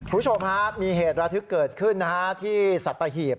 คุณผู้ชมครับมีเหตุระทึกเกิดขึ้นนะฮะที่สัตหีบ